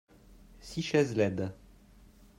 six chaises laides.